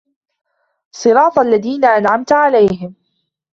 صراط الذين أنعمت عليهم